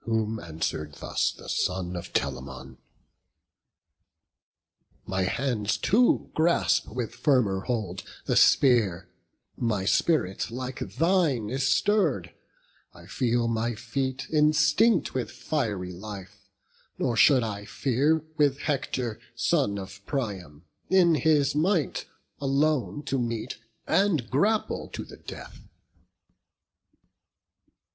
Whom answer'd thus the son of Telamon: "My hands too grasp with firmer hold the spear, My spirit like thine is stirr'd; I feel my feet Instinct with fiery life; nor should I fear With Hector, son of Priam, in his might Alone to meet, and grapple to the death."